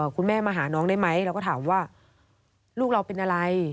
คุณแม่มาหาน้องได้ไหมเราก็ถามว่าลูกเราเป็นอะไร